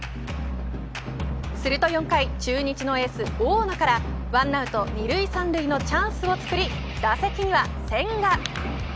すると４回中日のエース、大野から１アウト２塁３塁のチャンスをつくり打席には千賀。